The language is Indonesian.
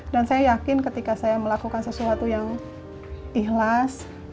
dan saya yakin ketika saya melakukan sesuatu yang ikhlas